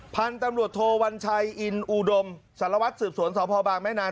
พันธุ์ตำรวจโทวัญชัยอินอุดมสารวัตรสืบสวนสพบางแม่นาง